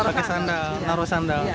pakai sandal naruh sandal